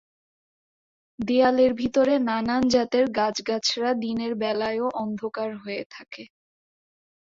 দেয়ালের ভিতরে নানান জাতের গাছগাছড়া দিনের বেলায়ও অন্ধকার হয়ে থাকে।